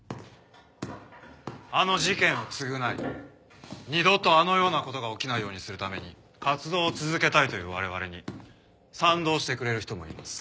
あの事件を償い二度とあのような事が起きないようにするために活動を続けたいという我々に賛同してくれる人もいます。